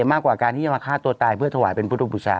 มากกว่าการที่จะมาฆ่าตัวตายเพื่อถวายเป็นพุทธบุษา